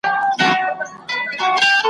عبدالباري جهاني: څرنګه شعر ولیکو؟ ,